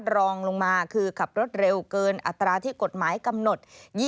รองลงมาคือขับรถเร็วเกินอัตราที่กฎหมายกำหนด